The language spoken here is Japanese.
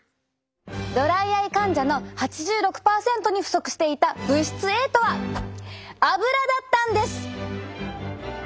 ドライアイ患者の８６％に不足していた物質Ａとはアブラだったんです。